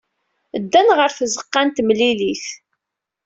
Ddan ɣer tzeɣɣa n temlilit.